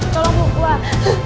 tolong tunggu di luar